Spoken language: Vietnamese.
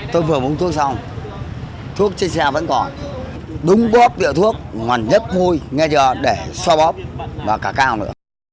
cậu vừa búng thuốc xong thuốc trên xe vẫn còn đúng bóp địa thuốc ngoằn nhất môi nghe chưa để so bóp và cả cao nữa